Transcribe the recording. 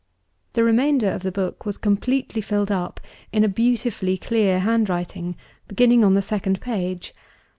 The remainder of the book was completely filled up, in a beautifully clear handwriting, beginning on the second page.